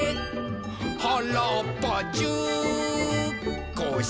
「はらっぱじゅうこうしんさ」